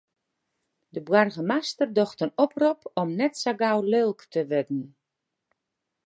De boargemaster docht in oprop om net sa gau lilk te wurden.